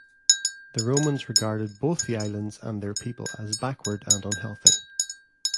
The Romans regarded both the islands and their people as backward and unhealthy.